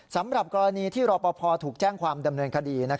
สำหรับกรณีที่รอปภถูกแจ้งความดำเนินคดี